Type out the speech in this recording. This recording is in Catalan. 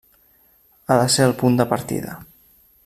Ha de ser el punt de partida.